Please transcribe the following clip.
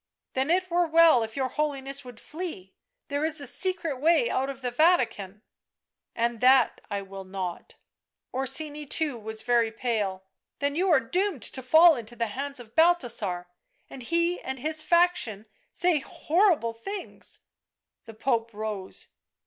" Then it were well if your Holiness would flee; there is a secret way out of the Vatican "" And that I will not." Orsini, too, was very pale. " Then are you doomed to fall into the hands of Bal thasar, and he and his faction sa^v — horrible things." The Pope rose.